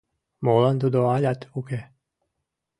Молан тудо алят уке?